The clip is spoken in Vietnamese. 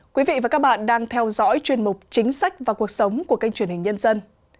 quý vị và các bạn đang theo dõi chuyên mục chính sách và cuộc sống của kênh truyền hình nhân dân